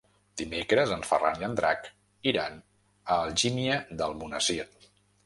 Dimecres en Ferran i en Drac iran a Algímia d'Almonesir.